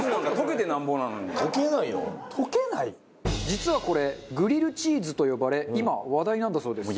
実はこれグリルチーズと呼ばれ今話題なんだそうです。